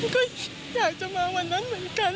ก็อยากจะมาวันนั้นเหมือนกัน